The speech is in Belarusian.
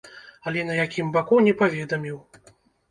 Але на якім баку, не паведаміў.